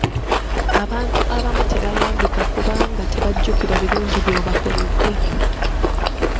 Abantu abamu tebayambika kubanga tebajjukira birungi by'obakoledde.